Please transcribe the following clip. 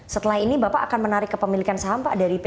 setelah ini bapak akan menarik kepemilikan saham pak dari pp